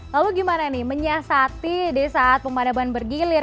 lalu gimana nih menyiasati di saat pemadaban bergilir